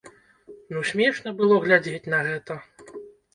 Ну смешна было глядзець на гэта.